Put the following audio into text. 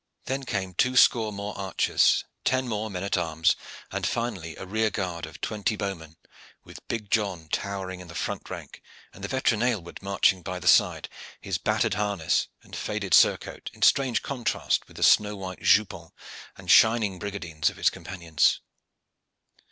Then came two score more archers, ten more men at arms, and finally a rear guard of twenty bowmen, with big John towering in the front rank and the veteran Aylward marching by the side, his battered harness and faded surcoat in strange contrast with the snow white jupons and shining brigandines of his companions.